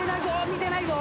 見ていないぞ。